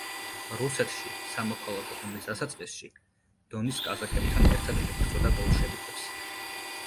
რუსეთში სამოქალაქო ომის დასაწყისში დონის კაზაკებთან ერთად ებრძოდა ბოლშევიკებს.